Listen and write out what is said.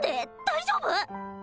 大丈夫？